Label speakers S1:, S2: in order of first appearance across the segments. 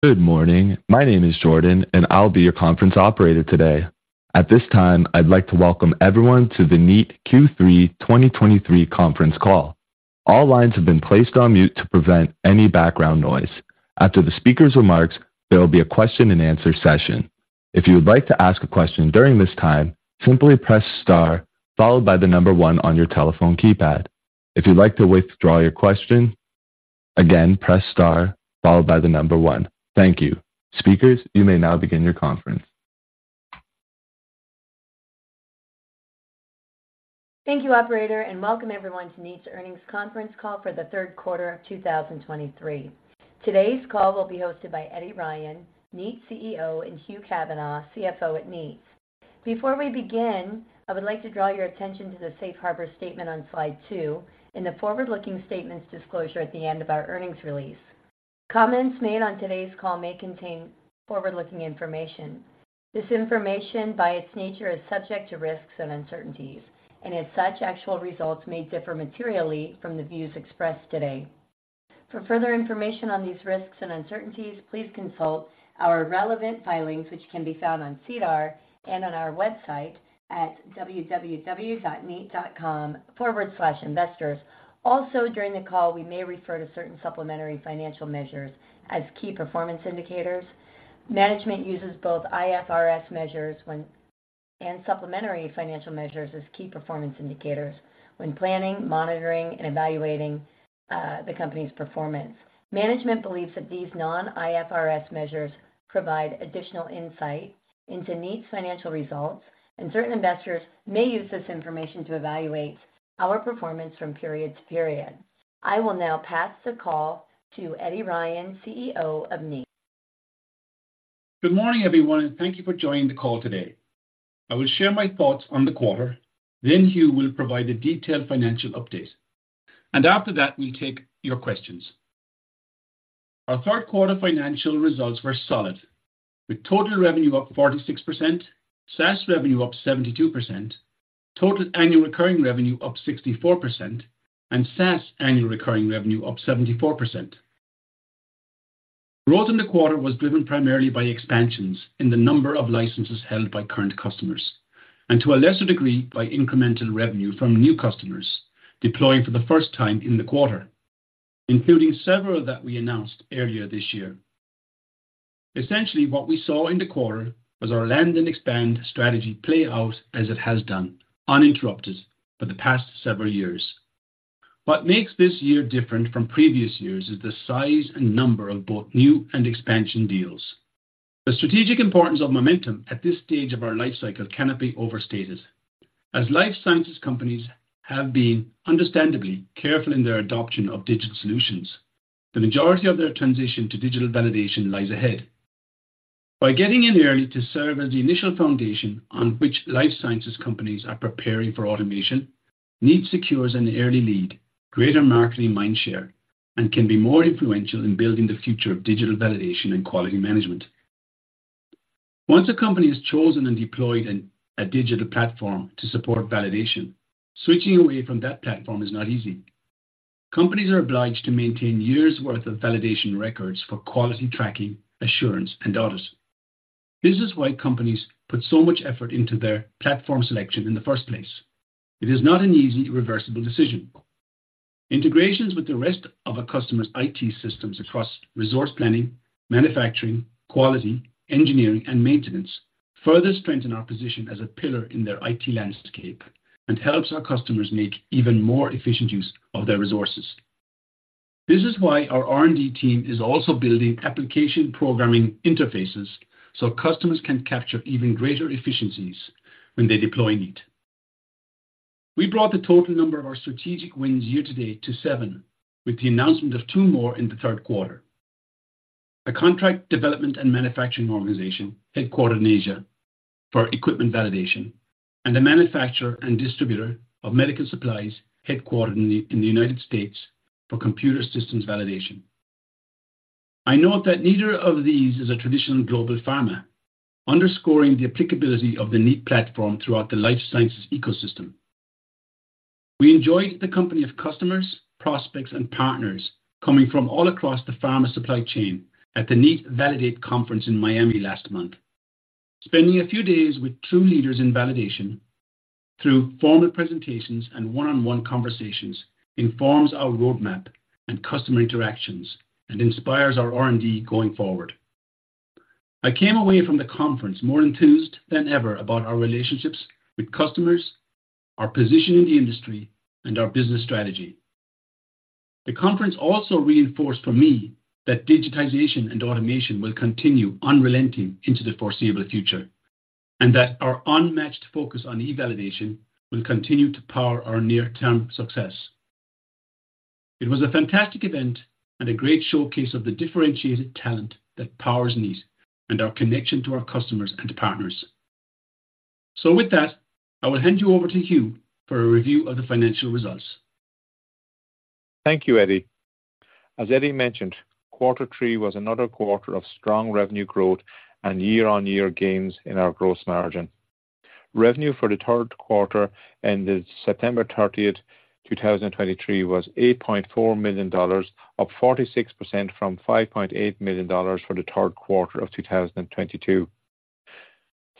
S1: Good morning. My name is Jordan, and I'll be your conference operator today. At this time, I'd like to welcome everyone to the Kneat Q3 2023 conference call. All lines have been placed on mute to prevent any background noise. After the speaker's remarks, there will be a question and answer session. If you would like to ask a question during this time, simply press star followed by the number one on your telephone keypad. If you'd like to withdraw your question, again, press star followed by the number one. Thank you. Speakers, you may now begin your conference.
S2: Thank you, operator, and welcome everyone to Kneat's earnings conference call for the third quarter of 2023. Today's call will be hosted by Eddie Ryan, Kneat CEO, and Hugh Kavanagh, CFO at Kneat. Before we begin, I would like to draw your attention to the safe harbor statement on slide 2 and the forward-looking statements disclosure at the end of our earnings release. Comments made on today's call may contain forward-looking information. This information, by its nature, is subject to risks and uncertainties, and as such, actual results may differ materially from the views expressed today. For further information on these risks and uncertainties, please consult our relevant filings, which can be found on SEDAR and on our website at www.kneat.com/investors. Also, during the call, we may refer to certain supplementary financial measures as key performance indicators. Management uses both IFRS measures when... supplementary financial measures as key performance indicators when planning, monitoring, and evaluating, the company's performance. Management believes that these non-IFRS measures provide additional insight into Kneat's financial results, and certain investors may use this information to evaluate our performance from period to period. I will now pass the call to Eddie Ryan, CEO of Kneat.
S3: Good morning, everyone, and thank you for joining the call today. I will share my thoughts on the quarter, then Hugh will provide a detailed financial update, and after that, we'll take your questions. Our third quarter financial results were solid, with total revenue up 46%, SaaS revenue up 72%, total annual recurring revenue up 64%, and SaaS annual recurring revenue up 74%. Growth in the quarter was driven primarily by expansions in the number of licenses held by current customers, and to a lesser degree, by incremental revenue from new customers deploying for the first time in the quarter, including several that we announced earlier this year. Essentially, what we saw in the quarter was our land and expand strategy play out as it has done uninterrupted for the past several years. What makes this year different from previous years is the size and number of both new and expansion deals. The strategic importance of momentum at this stage of our life cycle cannot be overstated. As life sciences companies have been understandably careful in their adoption of digital solutions, the majority of their transition to digital validation lies ahead. By getting in early to serve as the initial foundation on which life sciences companies are preparing for automation, Kneat secures an early lead, greater marketing mindshare, and can be more influential in building the future of digital validation and quality management. Once a company has chosen and deployed a digital platform to support validation, switching away from that platform is not easy. Companies are obliged to maintain years' worth of validation records for quality tracking, assurance, and audits. This is why companies put so much effort into their platform selection in the first place. It is not an easy reversible decision. Integrations with the rest of a customer's IT systems across resource planning, manufacturing, quality, engineering, and maintenance further strengthen our position as a pillar in their IT landscape and helps our customers make even more efficient use of their resources. This is why our R&D team is also building application programming interfaces so customers can capture even greater efficiencies when they deploy Kneat. We brought the total number of our strategic wins year-to-date to 7, with the announcement of two more in the third quarter. A contract development and manufacturing organization headquartered in Asia for equipment validation and a manufacturer and distributor of medical supplies headquartered in the United States for computer systems validation. I note that neither of these is a traditional global pharma, underscoring the applicability of the Kneat platform throughout the life sciences ecosystem. We enjoyed the company of customers, prospects, and partners coming from all across the pharma supply chain at the Kneat Validate Conference in Miami last month. Spending a few days with true leaders in validation through formal presentations and one-on-one conversations informs our roadmap and customer interactions and inspires our R&D going forward. I came away from the conference more enthused than ever about our relationships with customers, our position in the industry, and our business strategy. The conference also reinforced for me that digitization and automation will continue unrelenting into the foreseeable future, and that our unmatched focus on e-validation will continue to power our near-term success. It was a fantastic event and a great showcase of the differentiated talent that powers Kneat and our connection to our customers and partners. With that, I will hand you over to Hugh for a review of the financial results.
S4: Thank you, Eddie. As Eddie mentioned, quarter three was another quarter of strong revenue growth and year-on-year gains in our gross margin. Revenue for the third quarter ended September thirtieth, two thousand and twenty-three was $8.4 million, up 46% from $5.8 million for the third quarter of two thousand and twenty-two.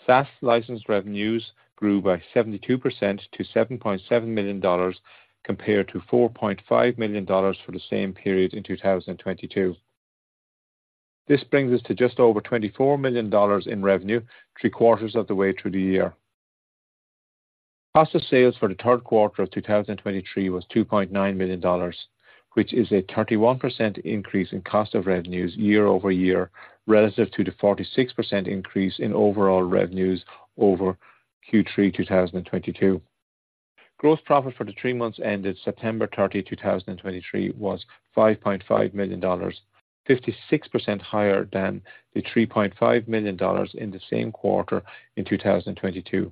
S4: SaaS license revenues grew by 72% to $7.7 million, compared to $4.5 million for the same period in two thousand and twenty-two. This brings us to just over $24 million in revenue three quarters of the way through the year. Cost of sales for the third quarter of 2023 was $2.9 million, which is a 31% increase in cost of revenues year-over-year, relative to the 46% increase in overall revenues over Q3 2022. Gross profit for the three months ended September 30, 2023, was $5.5 million, 56% higher than the $3.5 million in the same quarter in 2022.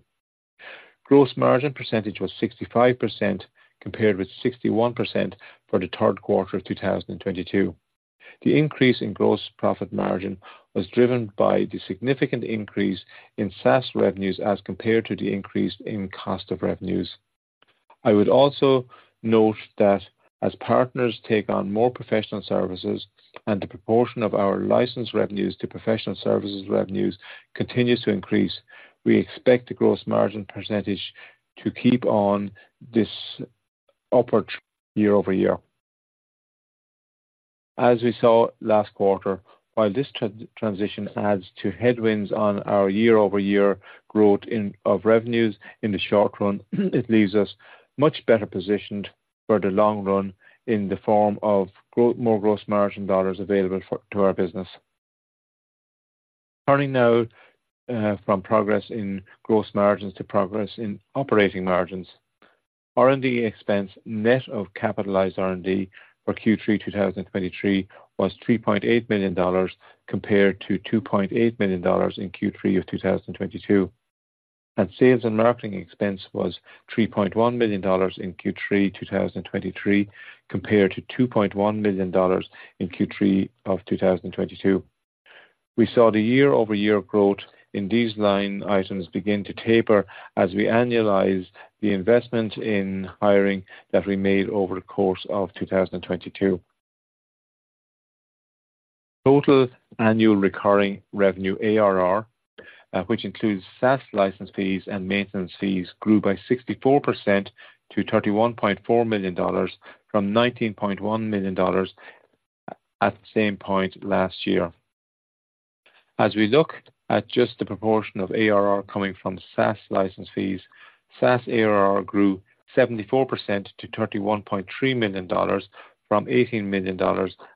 S4: Gross margin percentage was 65%, compared with 61% for the third quarter of 2022. The increase in gross profit margin was driven by the significant increase in SaaS revenues as compared to the increase in cost of revenues. I would also note that as partners take on more professional services and the proportion of our license revenues to professional services revenues continues to increase, we expect the gross margin percentage to keep on this upward year-over-year. As we saw last quarter, while this transition adds to headwinds on our year-over-year growth of revenues in the short run, it leaves us much better positioned for the long run in the form of more gross margin dollars available to our business. Turning now from progress in gross margins to progress in operating margins. R&D expense, net of capitalized R&D for Q3 2023 was $3.8 million, compared to $2.8 million in Q3 of 2022. Sales and marketing expense was $3.1 million in Q3 2023, compared to $2.1 million in Q3 of 2022. We saw the year-over-year growth in these line items begin to taper as we annualized the investment in hiring that we made over the course of 2022. Total annual recurring revenue, ARR, which includes SaaS license fees and maintenance fees, grew by 64% to $31.4 million from $19.1 million at the same point last year. As we look at just the proportion of ARR coming from SaaS license fees, SaaS ARR grew 74% to $31.3 million from $18 million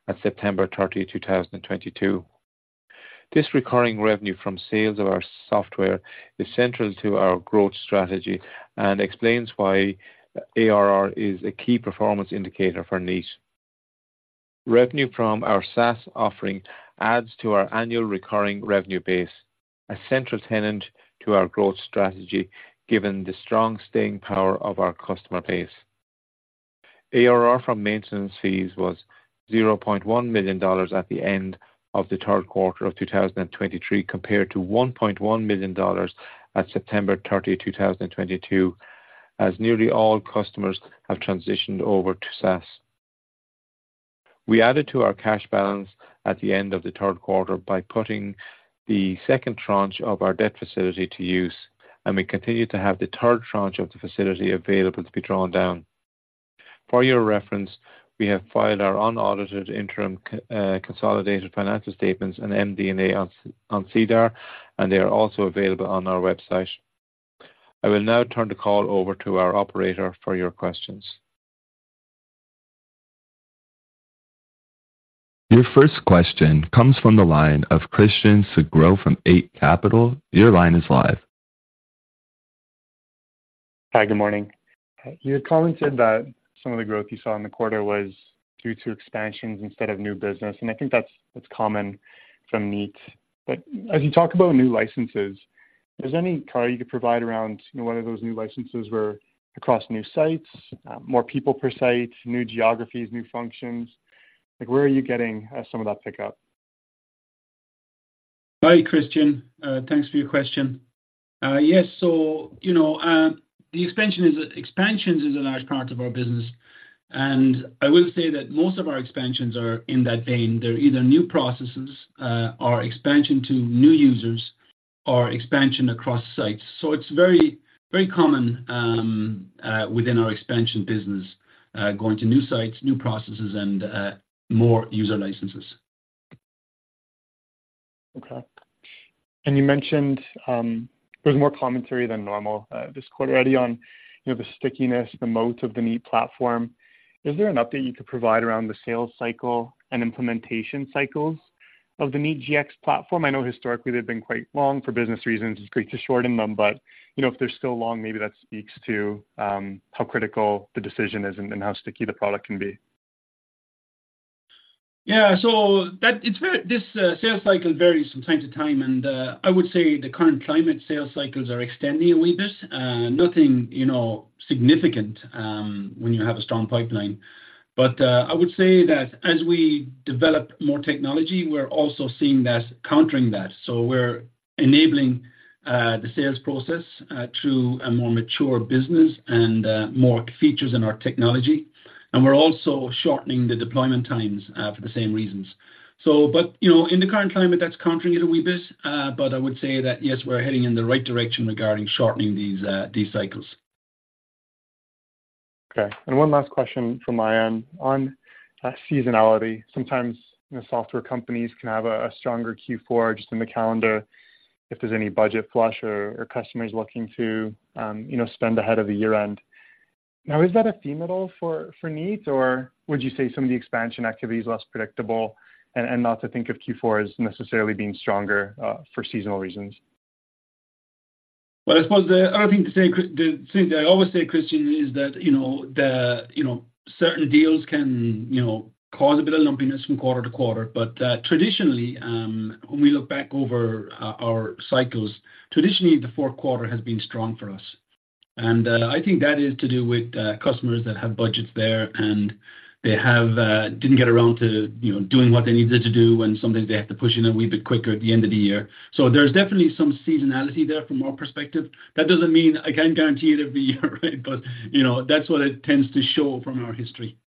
S4: at September 30, 2022. This recurring revenue from sales of our software is central to our growth strategy and explains why ARR is a key performance indicator for Kneat. Revenue from our SaaS offering adds to our annual recurring revenue base, a central tenet to our growth strategy, given the strong staying power of our customer base. ARR from maintenance fees was $0.1 million at the end of the third quarter of 2023, compared to $1.1 million at September 30, 2022, as nearly all customers have transitioned over to SaaS. We added to our cash balance at the end of the third quarter by putting the second tranche of our debt facility to use, and we continue to have the third tranche of the facility available to be drawn down. For your reference, we have filed our unaudited interim consolidated financial statements and MD&A on SEDAR, and they are also available on our website. I will now turn the call over to our operator for your questions.
S1: Your first question comes from the line of Christian Sgro from Eight Capital. Your line is live.
S5: Hi, good morning. You had commented that some of the growth you saw in the quarter was due to expansions instead of new business, and I think that's what's common from Kneat. But as you talk about new licenses, is there any color you could provide around, you know, whether those new licenses were across new sites, more people per site, new geographies, new functions? Like, where are you getting some of that pickup?
S3: Hi, Christian. Thanks for your question. Yes, so you know, expansions is a large part of our business, and I will say that most of our expansions are in that vein. They're either new processes, or expansion to new users, or expansion across sites. So it's very, very common within our expansion business, going to new sites, new processes, and more user licenses.
S5: Okay. And you mentioned, there was more commentary than normal, this quarter already on, you know, the stickiness, the moat of the Kneat platform. Is there an update you could provide around the sales cycle and implementation cycles of the Kneat Gx platform? I know historically they've been quite long for business reasons. It's great to shorten them, but, you know, if they're still long, maybe that speaks to, how critical the decision is and, and how sticky the product can be.
S3: Yeah. So the sales cycle varies from time to time, and I would say the current climate, sales cycles are extending a wee bit. Nothing, you know, significant, when you have a strong pipeline. But, I would say that as we develop more technology, we're also seeing that countering that. So we're enabling the sales process to a more mature business and more features in our technology. And we're also shortening the deployment times for the same reasons. So, but, you know, in the current climate, that's countering it a wee bit. But I would say that, yes, we're heading in the right direction regarding shortening these cycles.
S5: Okay, and one last question from my end. On seasonality, sometimes, you know, software companies can have a stronger Q4 just in the calendar if there's any budget flush or customers looking to, you know, spend ahead of the year-end. Now, is that a theme at all for Kneat, or would you say some of the expansion activity is less predictable and not to think of Q4 as necessarily being stronger for seasonal reasons?
S3: Well, I suppose the other thing to say, Chris—the thing that I always say, Christian, is that, you know, the, you know, certain deals can, you know, cause a bit of lumpiness from quarter to quarter. But traditionally, when we look back over our cycles, traditionally, the fourth quarter has been strong for us. And I think that is to do with customers that have budgets there, and they have didn't get around to, you know, doing what they needed to do when sometimes they have to push in a wee bit quicker at the end of the year. So there's definitely some seasonality there from our perspective. That doesn't mean I can't guarantee it every year, right? But, you know, that's what it tends to show from our history.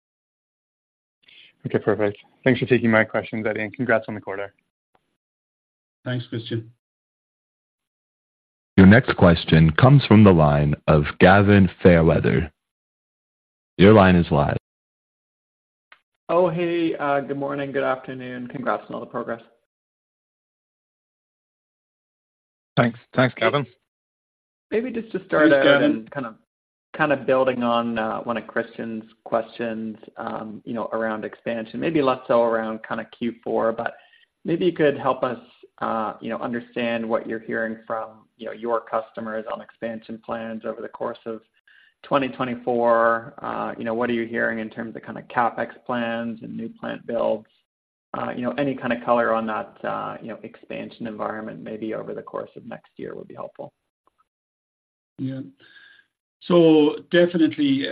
S5: Okay, perfect. Thanks for taking my questions, Eddie, and congrats on the quarter.
S3: Thanks, Christian.
S1: Your next question comes from the line of Gavin Fairweather. Your line is live.
S6: Oh, hey, good morning, good afternoon. Congrats on all the progress.
S3: Thanks. Thanks, Gavin.
S6: Maybe just to start out- kind of, kind of building on one of Christian's questions, you know, around expansion, maybe less so around kind of Q4, but maybe you could help us, you know, understand what you're hearing from, you know, your customers on expansion plans over the course of 2024. You know, what are you hearing in terms of kind of CapEx plans and new plant builds? You know, any kind of color on that, you know, expansion environment, maybe over the course of next year would be helpful.
S3: Yeah. So definitely, you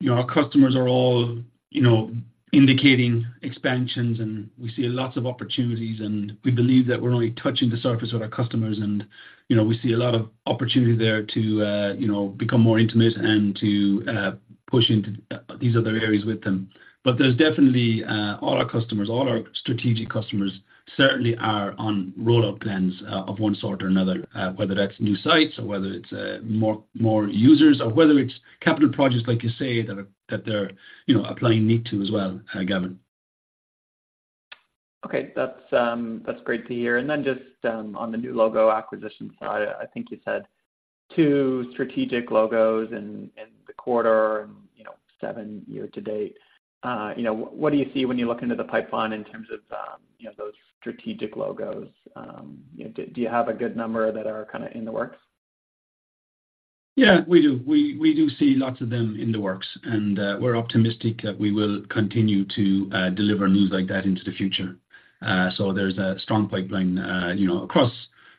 S3: know, our customers are all, you know, indicating expansions, and we see lots of opportunities, and we believe that we're only touching the surface with our customers and, you know, we see a lot of opportunity there to, you know, become more intimate and to, push into, these other areas with them. But there's definitely, all our customers, all our strategic customers, certainly are on roll-out plans, of one sort or another, whether that's new sites or whether it's, more, more users or whether it's capital projects, like you say, that are, that they're, you know, applying Kneat to as well, Gavin.
S6: Okay, that's great to hear. And then just on the new logo acquisition side, I think you said 2 strategic logos in the quarter and, you know, seven year to date. You know, what do you see when you look into the pipeline in terms of, you know, those strategic logos? Do you have a good number that are kind of in the works?
S3: Yeah, we do. We do see lots of them in the works, and we're optimistic that we will continue to deliver news like that into the future. So there's a strong pipeline, you know, across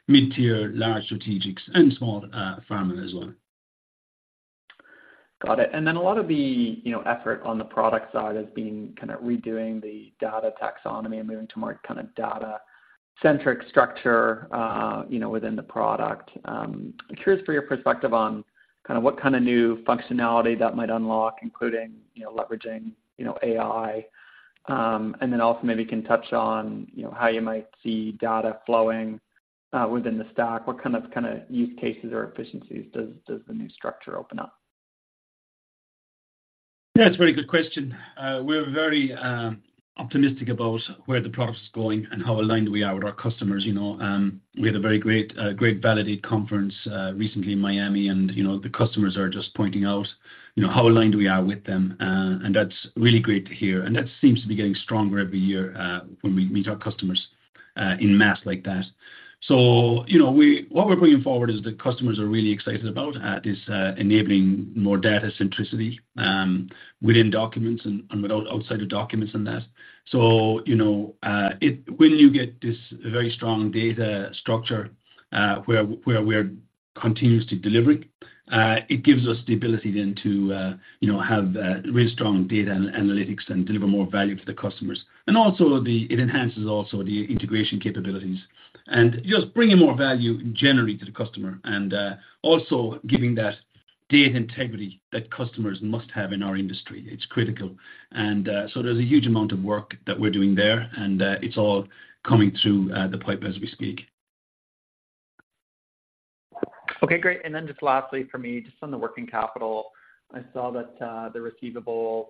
S3: mid-tier, large strategics, and small pharma as well.
S6: Got it. And then a lot of the, you know, effort on the product side has been kind of redoing the data taxonomy and moving to more kind of data-centric structure, you know, within the product. Curious for your perspective on kind of what kind of new functionality that might unlock, including, you know, leveraging, you know, AI. And then also maybe you can touch on, you know, how you might see data flowing within the stack. What kind of use cases or efficiencies does the new structure open up?
S3: Yeah, it's a very good question. We're very optimistic about where the product is going and how aligned we are with our customers, you know. We had a very great Validate conference recently in Miami, and, you know, the customers are just pointing out, you know, how aligned we are with them. And that's really great to hear, and that seems to be getting stronger every year, when we meet our customers en masse like that. So you know, what we're bringing forward is that customers are really excited about is enabling more data centricity within documents and, and without outside of documents and that. So, you know, when you get this very strong data structure, where we're continuously delivering, it gives us the ability then to, you know, have really strong data and analytics and deliver more value to the customers. Also it enhances the integration capabilities and just bringing more value generally to the customer, and also giving that data integrity that customers must have in our industry. It's critical. So there's a huge amount of work that we're doing there, and it's all coming through the pipe as we speak.
S6: Okay, great. And then just lastly for me, just on the working capital, I saw that the receivables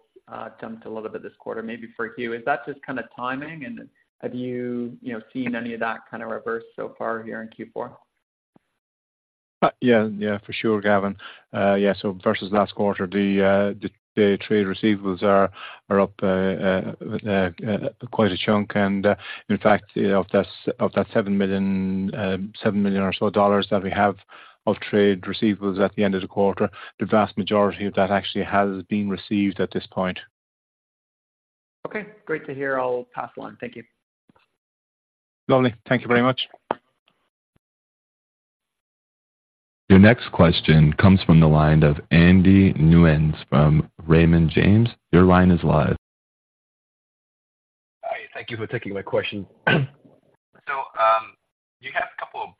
S6: jumped a little bit this quarter, maybe for Hugh. Is that just kind of timing, and have you, you know, seen any of that kind of reverse so far here in Q4?
S4: Yeah, yeah, for sure, Gavin. Yeah, so versus last quarter, the trade receivables are up quite a chunk. In fact, of that $7 million or so dollars that we have of trade receivables at the end of the quarter, the vast majority of that actually has been received at this point.
S6: Okay, great to hear. I'll pass it on. Thank you.
S4: Lovely. Thank you very much....
S1: Your next question comes from the line of Andy Nguyen from Raymond James. Your line is live.
S7: Hi. Thank you for taking my question. So, you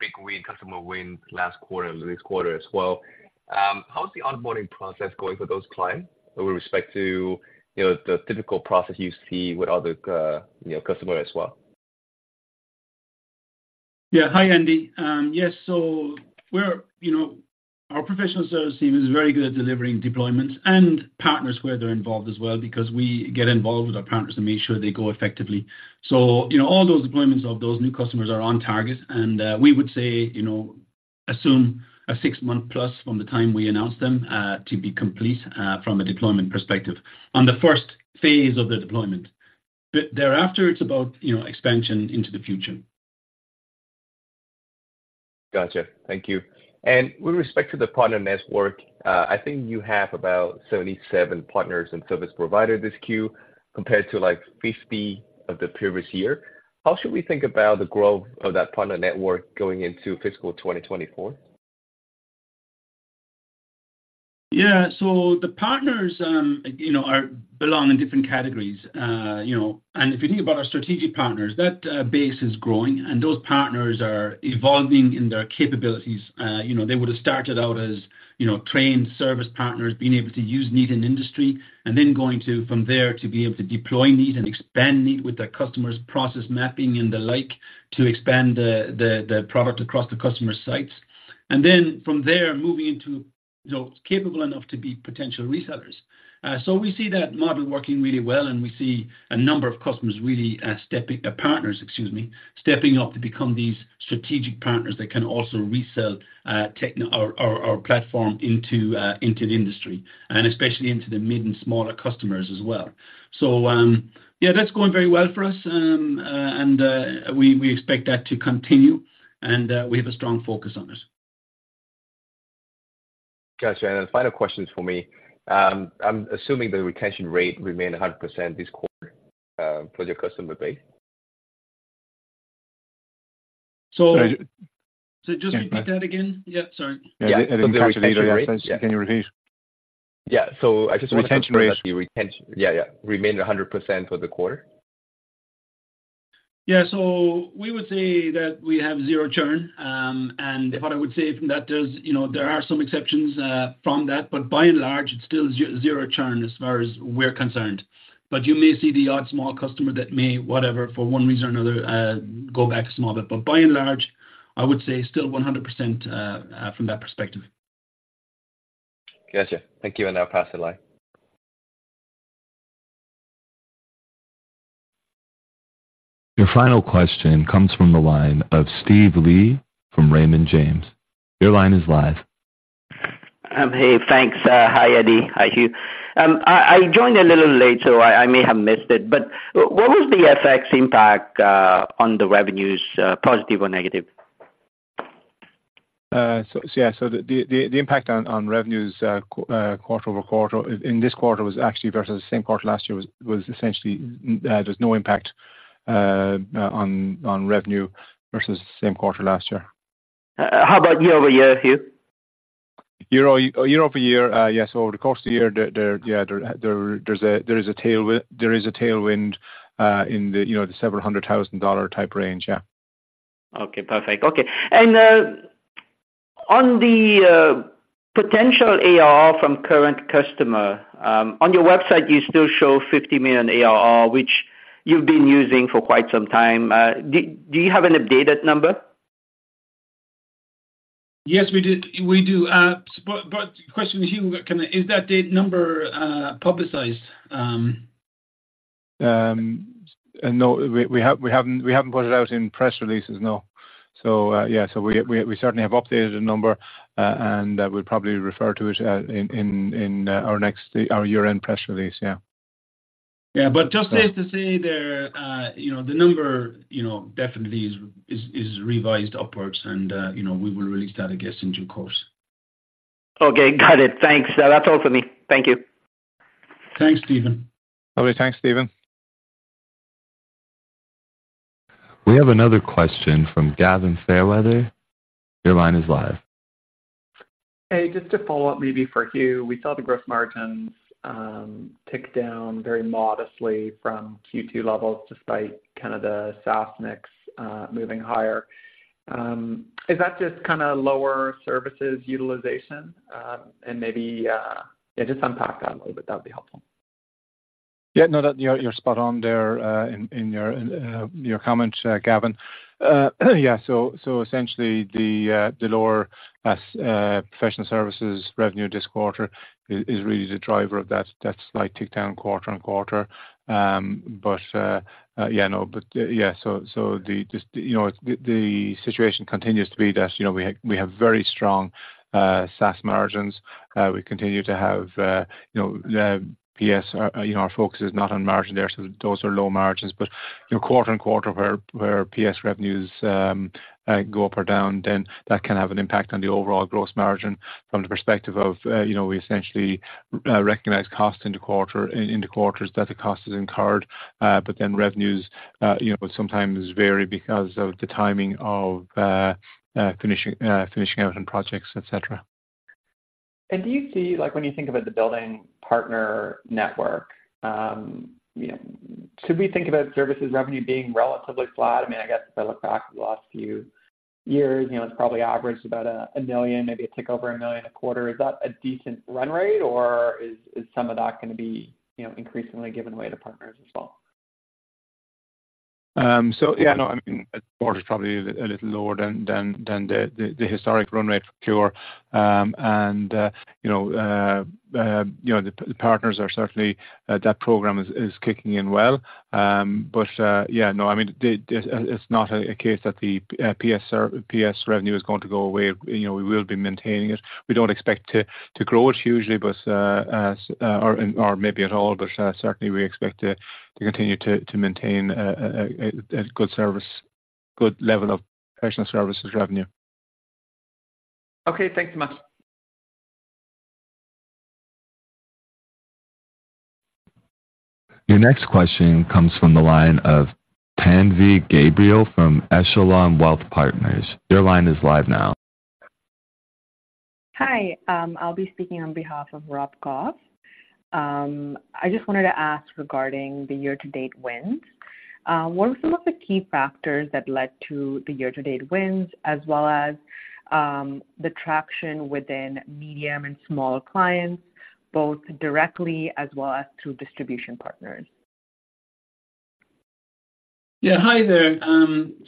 S7: had a couple of big win, customer wins last quarter and this quarter as well. How's the onboarding process going for those clients with respect to, you know, the typical process you see with other, you know, customers as well?
S3: Yeah. Hi, Andy. Yes, so we're, you know, our professional services team is very good at delivering deployments and partners where they're involved as well, because we get involved with our partners to make sure they go effectively. So, you know, all those deployments of those new customers are on target, and we would say, you know, assume a six-month plus from the time we announce them to be complete from a deployment perspective, on the first phase of the deployment. But thereafter, it's about, you know, expansion into the future.
S7: Gotcha. Thank you. And with respect to the partner network, I think you have about 77 partners and service provider this quarter, compared to, like, 50 of the previous year. How should we think about the growth of that partner network going into fiscal 2024?
S3: Yeah. So the partners, you know, are belong in different categories. You know, and if you think about our strategic partners, that base is growing, and those partners are evolving in their capabilities. You know, they would have started out as, you know, trained service partners, being able to use Kneat in industry, and then going to from there to be able to deploy Kneat and expand Kneat with their customers, process mapping and the like, to expand the product across the customer sites. And then from there, moving into, you know, capable enough to be potential resellers. So we see that model working really well, and we see a number of customers really stepping... partners, excuse me, stepping up to become these strategic partners that can also resell our platform into the industry, and especially into the mid and smaller customers as well. So, yeah, that's going very well for us, and we expect that to continue, and we have a strong focus on it.
S7: Got you. And the final question for me, I'm assuming the retention rate remained 100% this quarter, for your customer base?
S3: So- Sorry, just repeat that again? Yeah, sorry. Yeah, the retention rate. Can you repeat?
S7: Yeah. So I just-
S3: Retention rate.
S7: The retention. Yeah, yeah, remained 100% for the quarter.
S3: Yeah. So we would say that we have zero churn, and what I would say from that is, you know, there are some exceptions from that, but by and large, it's still zero churn as far as we're concerned. But you may see the odd small customer that may, whatever, for one reason or another, go back a small bit. But by and large, I would say still 100%, from that perspective.
S7: Gotcha. Thank you, and I'll pass the line.
S1: Your final question comes from the line of Steve Li from Raymond James. Your line is live.
S8: Hey, thanks. Hi, Eddie. Hi, Hugh. I joined a little later, so I may have missed it, but what was the FX impact on the revenues, positive or negative?
S4: So yeah, the impact on revenues quarter-over-quarter in this quarter was actually versus the same quarter last year, was essentially. There's no impact on revenue versus the same quarter last year.
S8: How about year-over-year, Hugh?
S4: Year over year, yes, over the course of the year, there is a tailwind, you know, in the $ several hundred thousand type range.
S8: Okay, perfect. Okay. And on the potential ARR from current customer, on your website, you still show $50 million ARR, which you've been using for quite some time. Do you have an updated number?
S3: Yes, we do, we do. But question, Hugh, is that the number publicized?
S4: No, we haven't put it out in press releases, no. So, yeah, so we certainly have updated the number, and we'll probably refer to it in our next year-end press release. Yeah.
S3: Yeah, but just safe to say there, you know, the number, you know, definitely is revised upwards, and, you know, we will release that, I guess, in due course.
S8: Okay, got it. Thanks. That's all for me. Thank you.
S3: Thanks, Steven.
S4: Okay. Thanks, Steven.
S1: We have another question from Gavin Fairweather. Your line is live.
S6: Hey, just to follow up, maybe for Hugh, we saw the gross margins tick down very modestly from Q2 levels, despite kind of the SaaS mix moving higher. Is that just kind of lower services utilization? And maybe, yeah, just unpack that a little bit, that'd be helpful.
S4: Yeah, no, you're spot on there in your comment, Gavin. Yeah, so essentially the lower professional services revenue this quarter is really the driver of that slight tick down quarter-over-quarter. But yeah, so just, you know, the situation continues to be that, you know, we have very strong SaaS margins. We continue to have, you know, the PS, you know, our focus is not on margin there, so those are low margins. But, you know, quarter on quarter, where PS revenues go up or down, then that can have an impact on the overall gross margin from the perspective of, you know, we essentially recognize costs in the quarter, in the quarters that the cost is incurred. But then revenues, you know, sometimes vary because of the timing of finishing out on projects, etcetera. ...
S6: Do you see, like, when you think about the building partner network, you know, should we think about services revenue being relatively flat? I mean, I guess if I look back at the last few years, you know, it's probably averaged about $1 million, maybe a tick over $1 million a quarter. Is that a decent run rate, or is some of that gonna be, you know, increasingly given away to partners as well?
S4: So yeah, no, I mean, the quarter is probably a little lower than the historic run rate for Q4. You know, the partners are certainly that program is kicking in well. But yeah, no, I mean, it's not a case that the PS revenue is going to go away. You know, we will be maintaining it. We don't expect to grow it hugely, or maybe at all, but certainly we expect to continue to maintain a good level of professional services revenue.
S6: Okay. Thanks so much.
S1: Your next question comes from the line of Tanvi Gabriel from Echelon Wealth Partners. Your line is live now.
S9: Hi. I'll be speaking on behalf of Rob Goff. I just wanted to ask regarding the year-to-date wins. What were some of the key factors that led to the year-to-date wins as well as, the traction within medium and small clients, both directly as well as through distribution partners?
S3: Yeah. Hi there.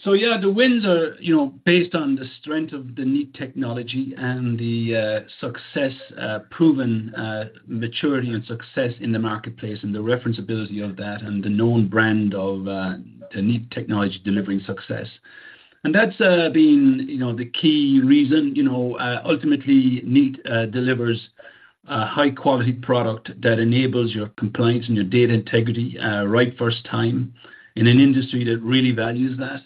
S3: So yeah, the wins are, you know, based on the strength of the Kneat technology and the success, proven maturity and success in the marketplace, and the reference-ability of that, and the known brand of the Kneat technology delivering success. And that's been, you know, the key reason. You know, ultimately, Kneat delivers a high-quality product that enables your compliance and your data integrity, right first time in an industry that really values that.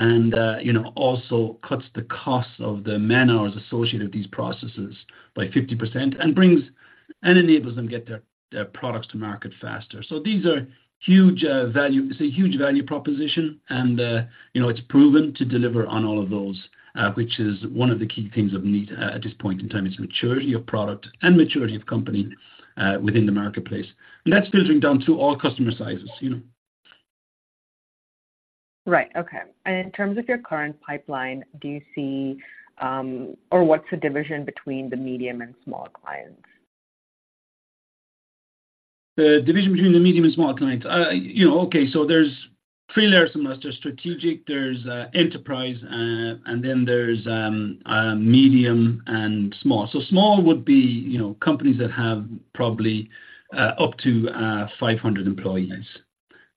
S3: And, you know, also cuts the costs of the man-hours associated with these processes by 50% and enables them to get their products to market faster. So these are huge value... It's a huge value proposition, and, you know, it's proven to deliver on all of those, which is one of the key things of Kneat at this point in time, is maturity of product and maturity of company, within the marketplace. And that's filtering down to all customer sizes, you know?
S9: Right. Okay. And in terms of your current pipeline, do you see... Or what's the division between the medium and small clients?
S3: The division between the medium and small clients? You know, okay, so there's 3 layers to most. There's strategic, there's enterprise, and then there's medium and small. So small would be, you know, companies that have probably up to 500 employees,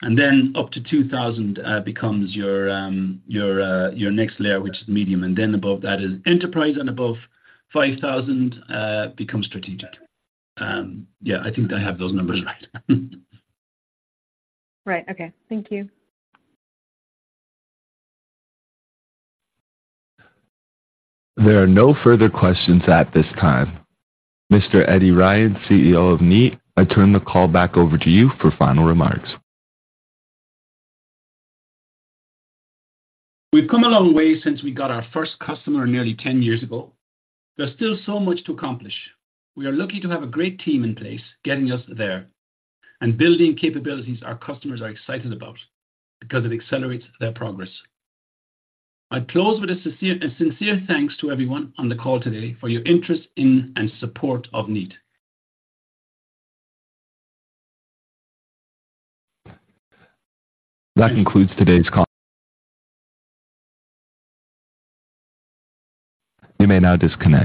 S3: and then up to 2,000 becomes your next layer, which is medium. And then above that is enterprise, and above 5,000 becomes strategic. Yeah, I think I have those numbers right.
S9: Right. Okay. Thank you.
S1: There are no further questions at this time. Mr. Eddie Ryan, CEO of Kneat, I turn the call back over to you for final remarks.
S3: We've come a long way since we got our first customer nearly 10 years ago. There's still so much to accomplish. We are lucky to have a great team in place, getting us there and building capabilities our customers are excited about because it accelerates their progress. I close with a sincere thanks to everyone on the call today for your interest in and support of Kneat.
S1: That concludes today's call. You may now disconnect.